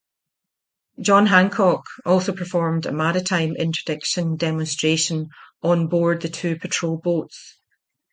"John Hancock" also performed a maritime interdiction demonstration on board the two patrol boats.